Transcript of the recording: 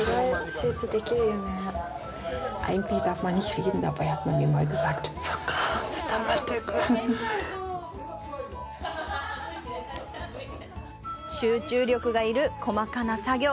集中力が要る細かな作業。